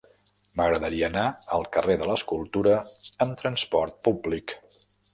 M'agradaria anar al carrer de l'Escultura amb trasport públic.